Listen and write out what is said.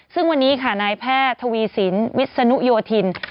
ซึ่งวันนี้ค่ะนายแพทย์ทวีสินวิศนุโยธิน